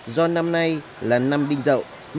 do năm nay là năm đinh dậu